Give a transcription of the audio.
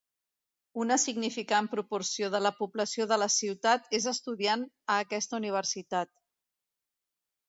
Una significant proporció de la població de la ciutat és estudiant a aquesta universitat.